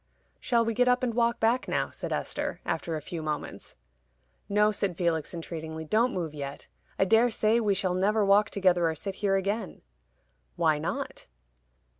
"Shall we get up and walk back now?" said Esther, after a few moments. "No," said Felix, entreatingly. "Don't move yet. I dare say we shall never walk together or sit here again." "Why not?"